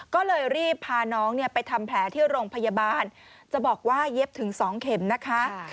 ก็เลยรีบพาน้องไปทำแผลที่โรงพยาบาลจะบอกว่าเย็บถึง๒เข็มนะคะ